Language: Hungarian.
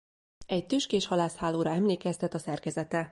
Egy tüskés halászhálóra emlékeztet a szerkezete.